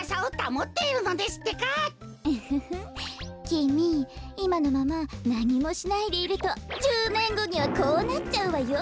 きみいまのままなにもしないでいると１０ねんごにはこうなっちゃうわよ。